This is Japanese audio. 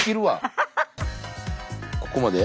ここまで？